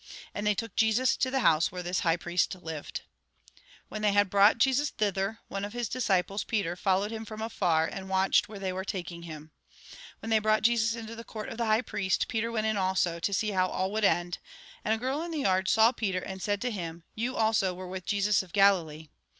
And they took Jesus to the house where this high priest lived. When they had brought Jesus thither, one of Iiis disciples, Peter, followed him from afar, and watched where they were taking him. When they brought Jesus into the court of the high priest, Peter went in also, to see how all would end. And a girl in the yard saw Peter, and said to him :" You, also, were with Jesus of Galilee."